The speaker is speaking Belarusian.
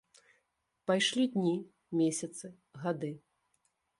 Пайшлі дні, месяцы, гады.